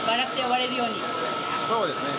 そうですね。